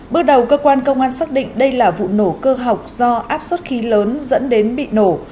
bước đầu cơ quan công an xác định đây là vụ nổ cơ học do áp suất khí lớn dẫn đến bị nổ